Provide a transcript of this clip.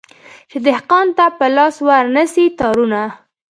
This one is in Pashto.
چي دهقان ته په لاس ورنه سي تارونه